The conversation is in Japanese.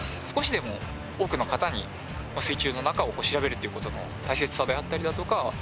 少しでも多くの方に水中を調べるっていうことの大切さであったりだとか